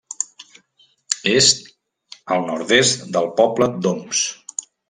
És al nord-est del poble d'Oms.